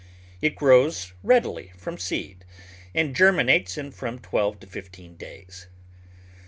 It grows readily from seed, and germinates in from twelve to fifteen days.